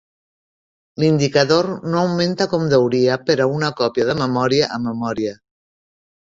L"indicador no augmenta com deuria per a una còpia de memòria a memòria.